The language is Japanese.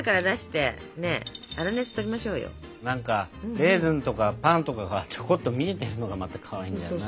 なんかレーズンとかパンとかがちょこっと見えてるのがまたかわいいんだよな。